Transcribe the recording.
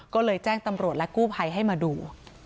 ก็เลยแจ้งตำรวจและกู้ภัยให้มาดู